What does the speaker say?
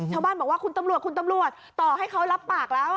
ชาวบ้านบอกว่าคุณตำรวจต่อให้เขารับปากแล้ว